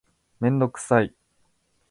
メンドクサイ